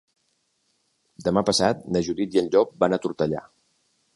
Demà passat na Judit i en Llop van a Tortellà.